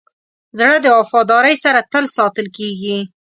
زړه د وفادارۍ سره تل ساتل کېږي.